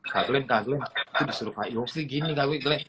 kak glenn kak glenn itu disuruh kak yopi gini kak wiglen